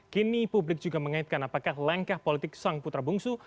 kini publik juga mengaitkan apakah langkah politik sang putra bungsu